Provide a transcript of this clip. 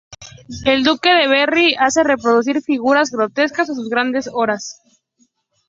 El duque de Berry hace reproducir figuras grotescas a sus Grandes Horas.